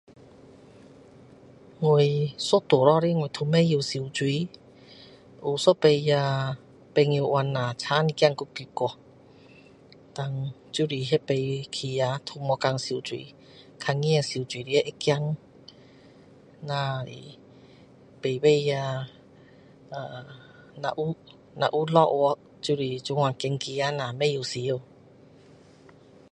我一路下来我都不会游泳有一次呀朋友约下差一点都溺去然后就是那次起呀都不敢游泳看到游泳池会怕那是每次呀呃若有若有下去就是这样走走下不会游